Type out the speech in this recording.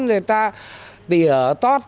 rồi ta tỉa tót